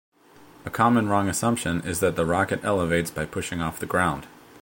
A common wrong assumption is that the rocket elevates by pushing off the ground.